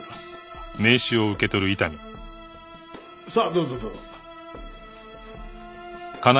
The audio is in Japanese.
さあどうぞどうぞ。